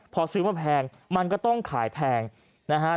พอซื้อมาแพงมันก็ต้องขายแพงนะฮะ